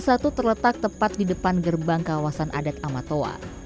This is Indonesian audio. sdi tiga ratus lima puluh satu terletak tepat di depan gerbang kawasan adat amatoa